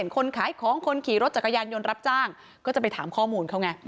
คนขายของคนขี่รถจักรยานยนต์รับจ้างก็จะไปถามข้อมูลเขาไง